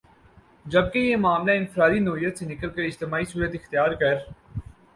جبکہ یہ معاملہ انفرادی نوعیت سے نکل کر اجتماعی صورت اختیار کر